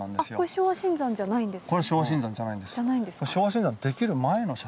昭和新山じゃないんです。